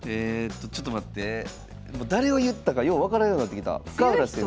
ちょっと待って誰を言ったかよう分からんようなってきた。